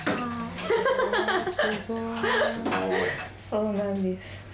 そうなんです。